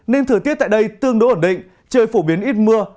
nên thời tiết tại đây tương đối ổn định trời phổ biến ít mưa